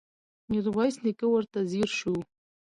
ميرويس نيکه ورته ځير شو.